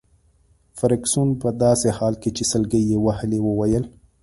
فرګوسن په داسي حال کي چي سلګۍ يې وهلې وویل.